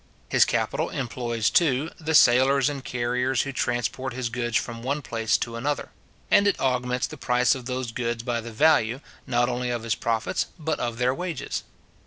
His capital employs, too, the sailors and carriers who transport his goods from one place to another; and it augments the price of those goods by the value, not only of his profits, but of their wages.